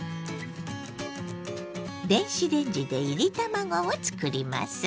電子レンジでいり卵を作ります。